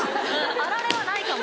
あられはないかも。